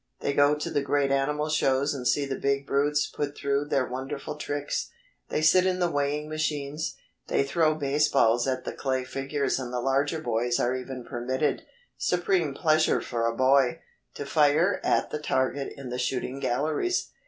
They go to the great animal shows and see the big brutes put through their wonderful tricks. They sit in the weighing machines. They throw base balls at the clay figures and the larger boys are even permitted supreme pleasure for a boy to fire at the target in the shooting galleries.